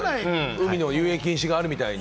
海の遊泳禁止があるみたいに。